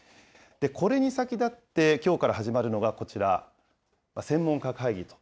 これに先立ってきょうから始まるのがこちら、専門家会議と。